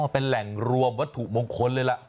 เป็นแหล่งรวมวัตถุมงคลเลยล่ะ